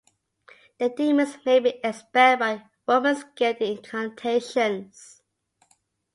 The demons may be expelled by a woman skilled in incantations.